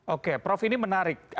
oke prof ini menarik